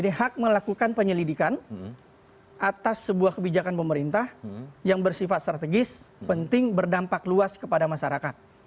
ini hak melakukan penyelidikan atas sebuah kebijakan pemerintah yang bersifat strategis penting berdampak luas kepada masyarakat